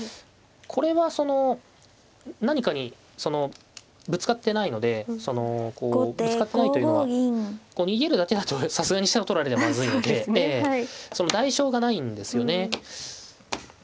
これは何かにぶつかってないのでそのこうぶつかってないというのはこう逃げるだけだとさすがに飛車を取られてまずいのでその代償がないんですよね。